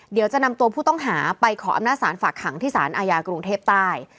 เดี๋ยวจะนำตัวผู้ต้องหาไปขออำนาจศาลฝากขังที่สารอาญากรุงเทพใต้